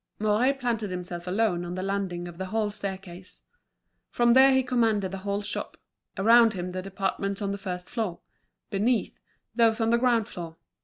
Mouret planted himself alone on the landing of the hall staircase. From there he commanded the whole shop; around him the departments on the first floor; beneath, those of the ground floor.